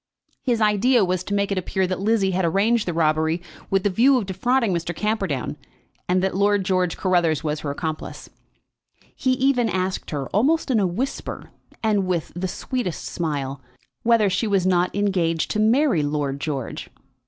His idea was to make it appear that Lizzie had arranged the robbery with the view of defrauding Mr. Camperdown, and that Lord George Carruthers was her accomplice. He even asked her, almost in a whisper, and with the sweetest smile, whether she was not engaged to marry Lord George.